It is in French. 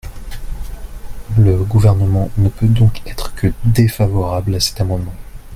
Le Gouvernement ne peut donc être que défavorable à cet amendement.